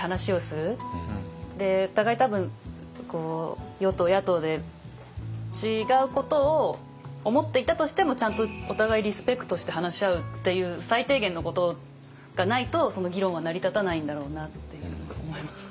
お互い多分与党野党で違うことを思っていたとしてもちゃんとお互いリスペクトして話し合うっていう最低限のことがないとその議論は成り立たないんだろうなって思います。